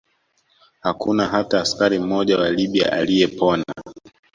Hakuna hata askari mmoja wa Libya aliyepona